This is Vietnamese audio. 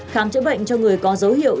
khám chữa bệnh cho người có dấu hiệu